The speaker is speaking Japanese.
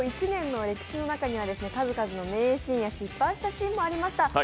１年の歴史の中には数々の名シーンや失敗したシーンもありました。